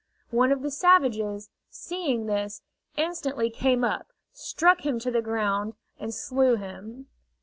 One of the savages, seeing this, instantly came up, struck him to the ground, and slew him.